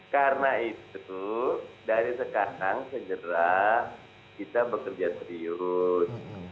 karena itu dari sekarang segera kita bekerja serius